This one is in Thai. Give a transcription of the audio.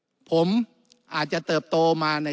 วุฒิสภาจะเขียนไว้ในข้อที่๓๐